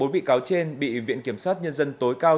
bốn bị cáo trên bị viện kiểm sát nhân dân tối cao